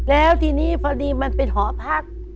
แล้วทีนี้พอดีมันเป็นหอพัก